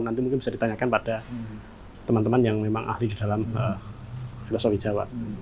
nanti mungkin bisa ditanyakan pada teman teman yang memang ahli di dalam filosofi jawa